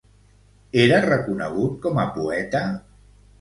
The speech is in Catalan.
Era reconegut com a poeta?